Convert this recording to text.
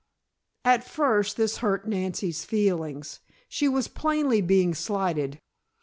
At first this hurt Nancy's feelings. She was plainly being slighted.